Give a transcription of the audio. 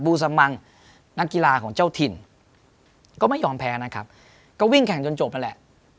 ูสมังนักกีฬาของเจ้าถิ่นก็ไม่ยอมแพ้นะครับก็วิ่งแข่งจนจบนั่นแหละ